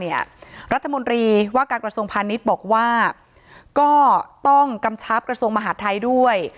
รัฐมนตรีว่าการกระทรวงพาณิชย์บอกว่าก็ต้องกำชับกระทรวงมหาดไทยด้วย